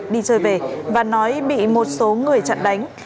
đi chơi về và nói bị một số người chặn đánh